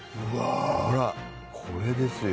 ほらこれですよ。